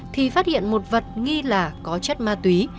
thì phát hiện một vật nghi là có chất ma túy